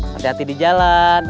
hati hati di jalan